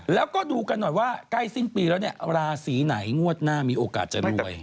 แล้วก็ดูกันหน่อยว่าใกล้สิ้นปีแล้วเนี่ยราศีไหนงวดหน้ามีโอกาสจะรวย